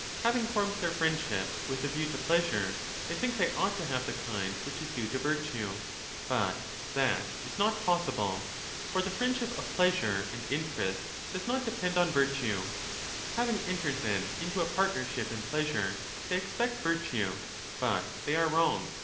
Having formed their friendship with a view to pleasure, they think they ought to have the kind which is due to virtue ; but that is not possible. |^r the friendship of pleasure and 30 interest does not depend on virtue. Having entered then into a partnership in pleasure, they expect virtue, but there they are wrong.